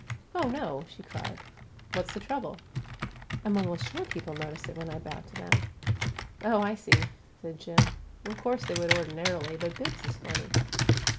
"Oh, no!" she cried. "What's the trouble?" "I'm almost sure people notice it when I bow to them." "Oh, I see!" said Jim. "Of course they would ordinarily, but Bibbs is funny."